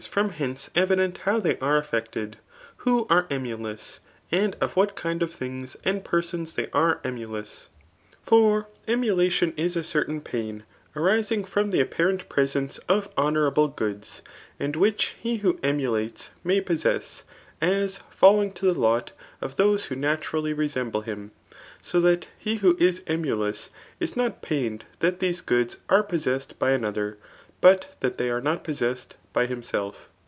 from beiice evident how they are iaffected ivbo arc towrlous^ and >of what kind, of things and peri tQm they are eoioLdus/ For emulation is a certain pain arimg, Jfvmihe apparent presence qffnmcmrablegoods^ end tuJtick he vihoemfiai^ matf.possess^ asJUMng to, Iffid lot of those who naturally resemble liimjMtliat Ae who is emulous is not pained that these goods are possessed by another, but tfiat they are not possessed by Mmielf.